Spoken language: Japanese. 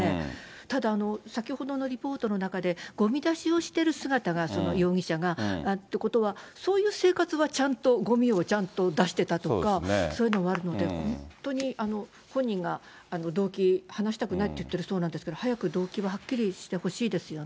ただ、先ほどのリポートの中で、ごみ出しをしてる姿が、その容疑者がってことは、そういう生活はちゃんと、ごみをちゃんと出してたとか、そういうのはあるので、本当に本人が動機話したくないって言ってるそうなんですけど、早く動機ははっきりしてほしいですよね。